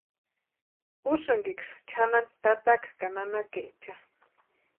¿Úsïnksï chʼanani tataka ka nanakaecha?